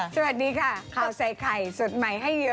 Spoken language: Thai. สวัสดีค่ะข้าวใส่ไข่สดใหม่ให้เยอะ